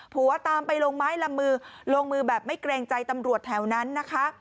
ตามไปลงไม้ลำมือลงมือแบบไม่เกรงใจตำรวจแถวนั้นนะคะ